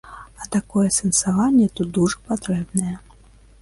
А такое асэнсаванне тут дужа патрэбнае.